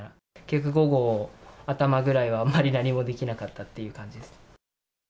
結局、午後頭ぐらいまでは、あまり何もできなかったっていう感じですね。